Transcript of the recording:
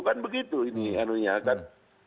kan begitu ini anunya kan